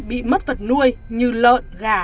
bị mất vật nuôi như lợn gà